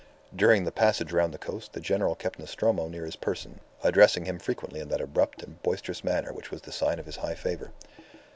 During the passage round the coast the General kept Nostromo near his person, addressing him frequently in that abrupt and boisterous manner which was the sign of his high favour.